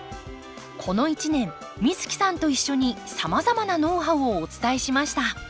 この一年美月さんと一緒にさまざまなノウハウをお伝えしました。